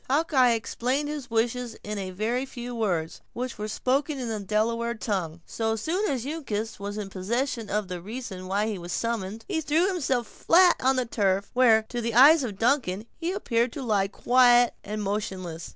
Hawkeye explained his wishes in a very few words, which were spoken in the Delaware tongue. So soon as Uncas was in possession of the reason why he was summoned, he threw himself flat on the turf; where, to the eyes of Duncan, he appeared to lie quiet and motionless.